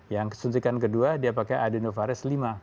yang suntikan kedua dia pakai adenovares lima